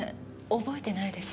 覚えてないです。